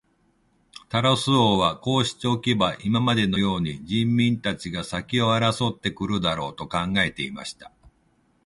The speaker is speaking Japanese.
タラス王はこうしておけば、今までのように人民たちが先を争って来るだろう、と考えていました。